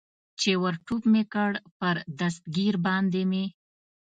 چې ور ټوپ مې کړل، پر دستګیر باندې مې.